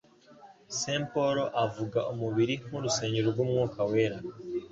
St Paul avuga umubiri nk "urusengero rwumwuka wera"